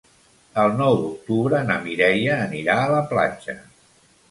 El nou d'octubre na Mireia anirà a la platja.